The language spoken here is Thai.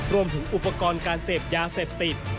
รวมถึงอุปกรณ์การเสพยาเสพติด